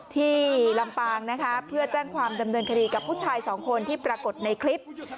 ที่ลำปางนะคะเพื่อแจ้งความดำเนินคดีกับผู้ชายสองคนที่ปรากฏในคลิป